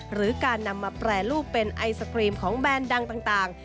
หรือการนำมาแปรรูปเป็นไอศครีมของแบรนด์ดังต่าง